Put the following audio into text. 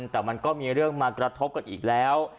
แต่มันก็มีเรื่องมากระทบกันอีกแล้ว